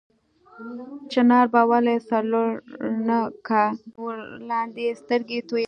چنار به ولې سر لوړ نه کا چې جنکۍ ورلاندې سترګې توروينه